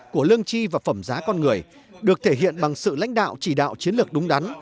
của lương chi và phẩm giá con người được thể hiện bằng sự lãnh đạo chỉ đạo chiến lược đúng đắn